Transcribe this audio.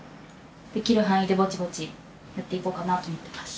できる範囲でぼちぼちやっていこうかなと思っています。